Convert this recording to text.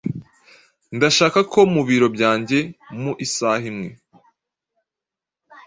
Ndashaka ko mubiro byanjye mu isaha imwe.